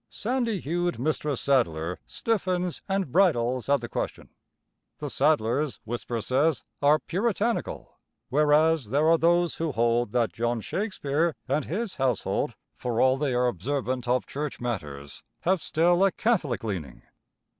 Sandy hued Mistress Sadler stiffens and bridles at the question. The Sadlers, whisper says, are Puritanical, whereas there are those who hold that John Shakespeare and his household, for all they are observant of church matters, have still a Catholic leaning.